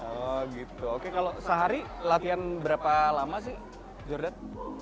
oh gitu oke kalau sehari latihan berapa lama sih jordan